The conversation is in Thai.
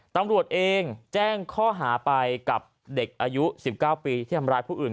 ตำรวจเองแจ้งข้อหาไปกับเด็กอายุ๑๙ปีที่ทำร้ายผู้อื่น